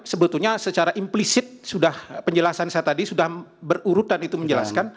sebetulnya secara implisit sudah penjelasan saya tadi sudah berurutan itu menjelaskan